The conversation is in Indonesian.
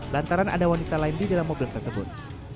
lantaran ada wanita lain di dalam mobil tersebut